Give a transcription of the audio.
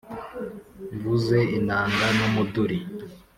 mvuze inanga n’umuduri